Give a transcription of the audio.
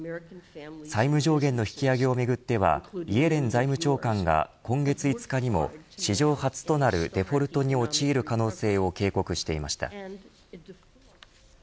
債務上限の引き上げをめぐってはイエレン財務長官が今月５日にも史上初となるデフォルトに陥る可能性を警告していました。